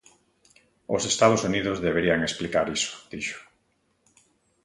Os Estados Unidos deberían explicar iso, dixo.